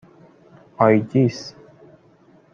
آیدیس